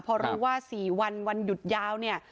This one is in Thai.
พอรู้ว่า๔วันวันหยุดยาวเนี่ย